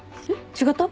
違った？